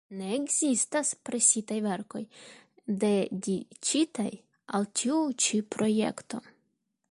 Ne ekzistas presitaj verkoj, dediĉitaj al tiu ĉi projekto".